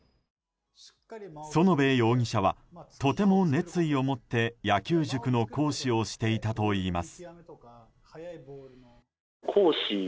園部容疑者はとても熱意を持って野球塾の講師をしていたといいます。